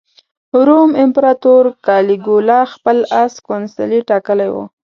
روم امپراطور کالیګولا خپل اس کونسلي ټاکلی و.